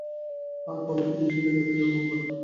আরো পরে কি বিষয় দেখতে যাবো আমরা।